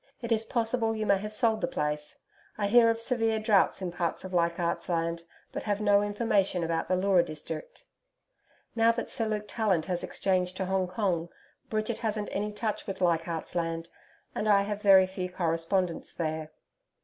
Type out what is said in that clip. It is possible you may have sold the place. I hear of severe droughts in parts of Leichardt's Land, but have no information about the Leura district. Now that Sir Luke Tallant has exchanged to Hong Kong, Bridget hasn't any touch with Leichardt's Land, and I have very few correspondents there.